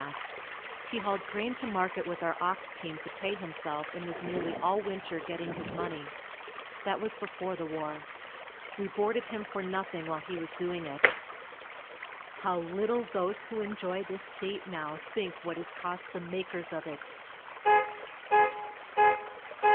He hauled grain to market with our ox team to pay himself and was nearly all winter getting his money. That was before the war. We boarded him for nothing while he was doing it. How little those who enjoy this state now think what is cost the makers of it!